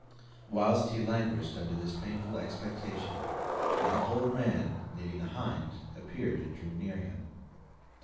Whilst he languished under this painful expectation, an old man leading a hind appeared and drew near him.